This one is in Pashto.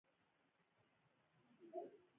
د نجونو تعلیم د کورنۍ پلان جوړونې ښه کولو سبب دی.